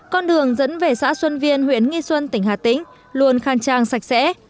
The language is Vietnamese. con đường dẫn về xã xuân viên huyện nghi xuân tỉnh hà tĩnh luôn khang trang sạch sẽ